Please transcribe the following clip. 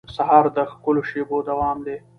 سهار د ښکلو شېبو دوام دی.